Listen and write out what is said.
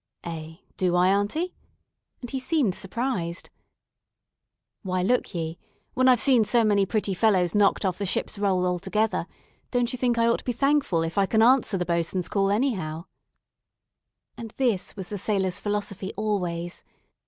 "Eh! do I, Aunty?" and he seemed surprised. "Why, look'ye, when I've seen so many pretty fellows knocked off the ship's roll altogether, don't you think I ought to be thankful if I can answer the bo'swain's call anyhow?" And this was the sailors' philosophy always.